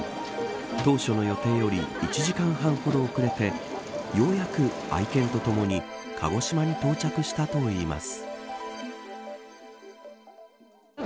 当初の予定より１時間半ほど遅れてようやく愛犬とともに鹿児島に到着したといいます。